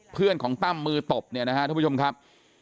เพื่อนของตั้มมือตบทุกผู้ชมครับ